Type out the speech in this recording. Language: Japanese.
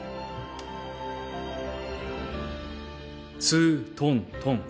ツートントン。